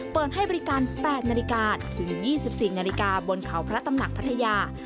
เปิดให้บริการ๘นาฬิกาถึง๒๔นาฬิกาบนเขาพระตำหนักพัทยา